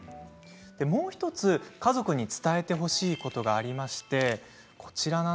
もう１つ家族に伝えてほしいことがあります。